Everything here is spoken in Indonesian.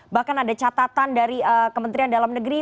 bahkan ada catatan dari kementerian dalam negeri